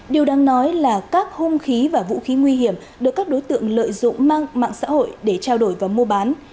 điều đang nói là các hung khí và vũ khí nguy hiểm được các đối tượng lợi dụng mạng xã hội để trao đổi và mua bán